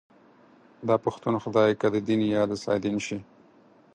داپښتون خدای که ددين يا دسادين شي